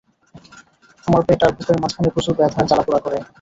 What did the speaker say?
আমার পেট আর বুকের মাঝখানে প্রচুর ব্যাথা আর জ্বালাপোড়া করে।